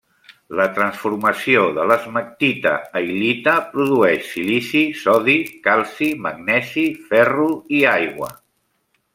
La transformació de l'esmectita a il·lita produeix silici, sodi, calci, magnesi, ferro i aigua.